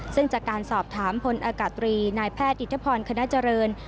ซึ่งจากการสอบถามพลอากาศตรีนายแพทย์อิทธพรคณะเจริญ